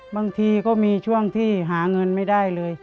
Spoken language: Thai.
บางทีก็มีช่วงที่หาเงินไม่ได้เลย